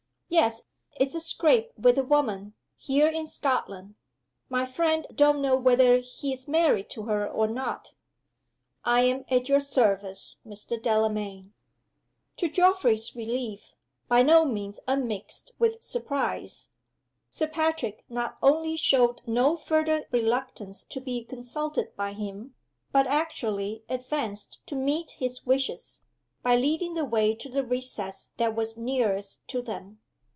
"Yes. It's a scrape with a woman. Here in Scotland. My friend don't know whether he's married to her or not." "I am at your service, Mr. Delamayn." To Geoffrey's relief by no means unmixed with surprise Sir Patrick not only showed no further reluctance to be consulted by him, but actually advanced to meet his wishes, by leading the way to the recess that was nearest to them.